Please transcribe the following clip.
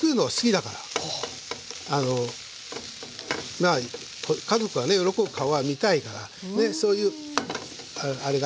まあ家族がね喜ぶ顔が見たいからそういうあれがあるんで。